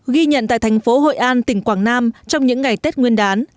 ghi nhận tại thành phố hội an tỉnh quảng nam trong những ngày tết nguyên đán